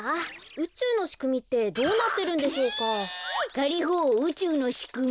ガリホうちゅうのしくみ。